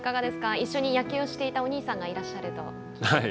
一緒に野球をしていたお兄さんがいらっしゃると。